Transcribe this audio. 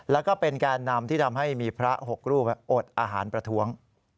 แล้วก็เป็นแกนนำที่ทำให้มีพระ๖รูปอดอาหารประท้วง